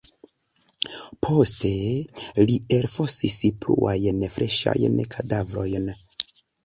Poste li elfosis pluajn freŝajn kadavrojn.